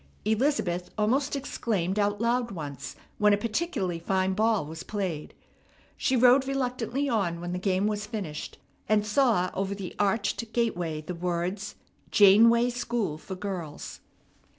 Elizabeth almost exclaimed out loud once when a particularly fine ball was played. She rode reluctantly on when the game was finished, and saw over the arched gateway the words, "Janeway School for Girls."